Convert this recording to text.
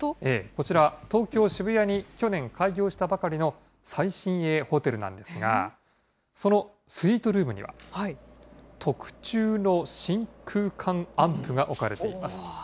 こちら、東京・渋谷に去年開業したばかりの最新鋭ホテルなんですが、そのスイートルームには、特注の真空管アンプが置かれています。